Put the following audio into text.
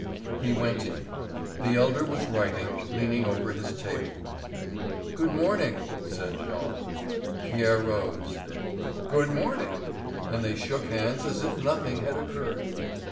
He went in. The elder was writing, leaning over his table. "Good morning," said Jean. Pierre rose. "Good morning!" and they shook hands as if nothing had occurred.